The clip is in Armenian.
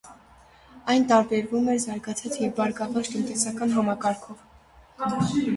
Այն տարբերվում էր զարգացած և բարգավաճ տնտեսական համակարգով։